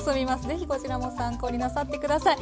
是非こちらも参考になさって下さい。